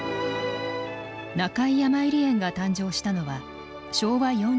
中井やまゆり園が誕生したのは昭和４７年。